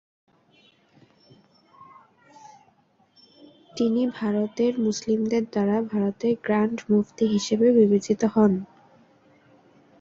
তিনি ভারতের মুসলিমদের দ্বারা ভারতের গ্র্যান্ড মুফতি হিসেবে বিবেচিত হন।